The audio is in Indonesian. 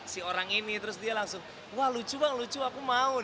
si orang ini terus dia langsung wah lucu bang lucu aku mau